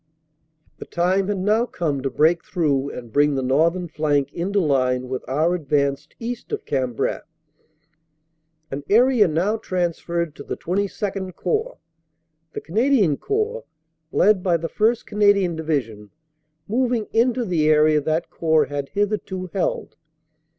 The time had now come to break through and bring the northern flank into line with our advance east of Cambrai, an area now transferred to the XXII Corps, the Canadian Corps, led by the 1st. Canadian Division, moving into the area that Corps had hitherto held.